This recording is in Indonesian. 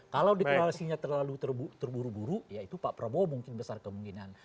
kalau deklarasinya terlalu terburu buru ya itu pak prabowo mungkin besar kemungkinan